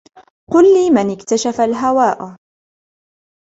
قل لي من اكتشف الهواء